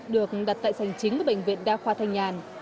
được đặt tại sành chính với bệnh viện đa khoa thanh nhàn